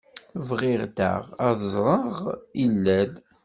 Bɣiɣ daɣ ad ẓreɣ ilel.